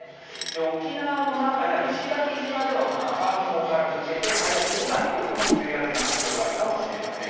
沖縄の那覇や石垣島では、この雨雲から抜けて、早ければきょうにも梅雨明けの発表があるかもしれません。